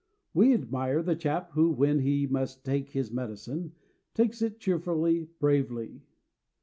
We admire the chap who, when he must take his medicine, takes it cheerfully, bravely.